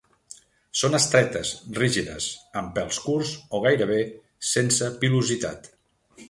Són estretes, rígides, amb pèls curts o gairebé sense pilositat.